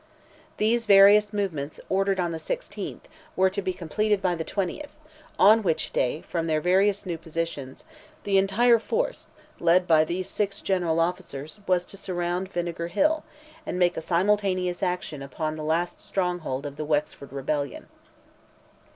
These various movements ordered on the 16th, were to be completed by the 20th, on which day, from their various new positions, the entire force, led by these six general officers, was to surround Vinegar Hill, and make a simultaneous attack upon the last stronghold of the Wexford rebellion.